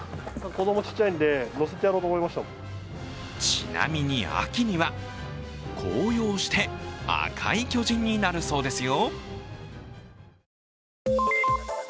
ちなみに秋には紅葉して赤い巨人になるそうですよ。